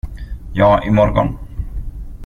Ja, i morgon.